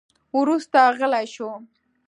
وروسته غلی شو.